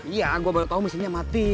iya gue baru tahu mesinnya mati